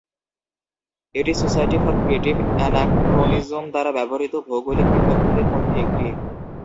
এটি society for creative anachronism দ্বারা ব্যবহৃত ভৌগোলিক বিভাগগুলির মধ্যে একটি।